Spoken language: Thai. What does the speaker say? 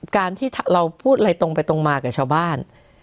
การที่เราพูดอะไรตรงไปตรงมากับชาวบ้าน